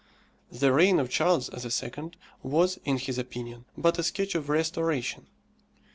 The reign of Charles II. was, in his opinion, but a sketch of restoration.